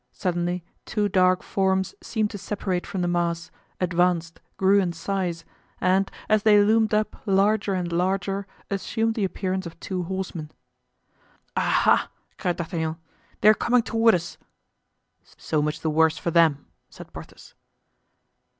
Suddenly two dark forms seemed to separate from the mass, advanced, grew in size, and as they loomed up larger and larger, assumed the appearance of two horsemen. "Aha!" cried D'Artagnan, "they're coming toward us." "So much the worse for them," said Porthos.